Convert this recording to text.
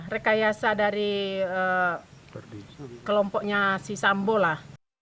rekayasa dari kelompoknya si sambo lah